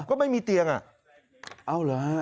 ก็ไม่มีเตียงอ่ะ